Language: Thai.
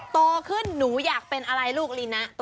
โตขึ้นหนูอยากเป็นอะไรลูกลีนะ